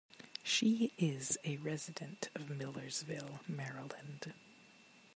She is a resident of Millersville, Maryland.